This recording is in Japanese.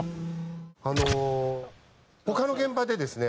あの他の現場でですね